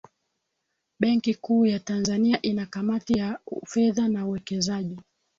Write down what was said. benki kuu ya tanzania ina kamati ya fedha na uwekezaji